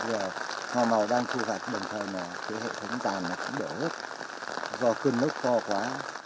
giờ hoa màu đang thu hoạch đồng thời hệ thống tàn nó cũng đổ hết do cơn mốc to quá